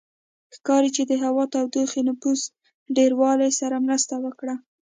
ښکاري چې د هوا تودوخې نفوس ډېروالي سره مرسته وکړه